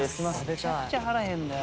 めちゃくちゃ腹減るんだよ。